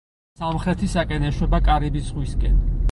სამხრეთისაკენ ეშვება კარიბის ზღვისკენ.